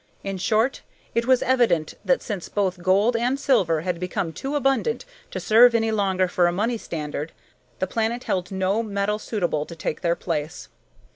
In short, it was evident that since both gold and silver had become too abundant to serve any longer for a money standard, the planet held no metal suitable to take their place.